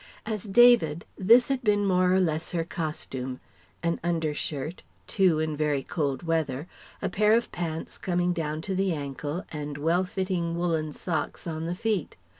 As "David" this had been more or less her costume: an undershirt (two, in very cold weather), a pair of pants coming down to the ankle, and well fitting woollen socks on the feet.